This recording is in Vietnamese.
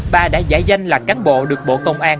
bà đã giải danh là cán bộ được bộ công an